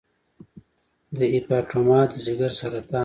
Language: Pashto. د هیپاټوما د ځګر سرطان دی.